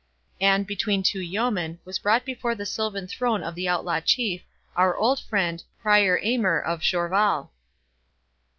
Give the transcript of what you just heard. And, between two yeomen, was brought before the silvan throne of the outlaw Chief, our old friend, Prior Aymer of Jorvaulx.